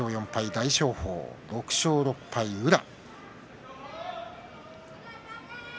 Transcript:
大翔鵬、６勝６敗宇良。